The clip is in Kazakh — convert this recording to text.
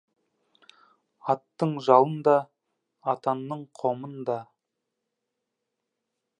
Аттың жалында атанның қомында.